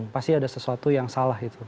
pasti ada sesuatu yang salah gitu